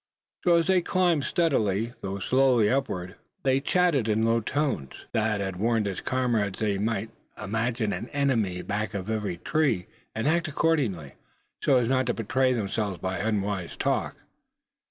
So, as they climbed steadily, though slowly, upward, they chatted in low tones. Thad had warned his comrade that they must imagine an enemy back of every tree, and act accordingly, so as not to betray themselves by unwise talk.